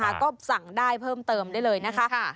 ก็สั่งได้เพิ่มเติมได้เลยนะคะ